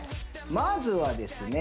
まずはですね